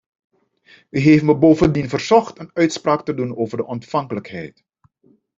U heeft mij bovendien verzocht een uitspraak te doen over de ontvankelijkheid.